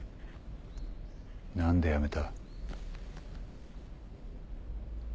何でやめた？